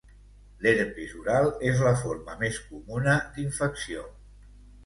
L'herpes oral és la forma més comuna d'infecció.